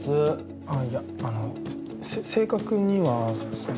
あっいやあのせ正確にはその。